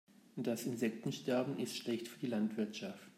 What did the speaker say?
Das Insektensterben ist schlecht für die Landwirtschaft.